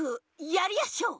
やりやしょう！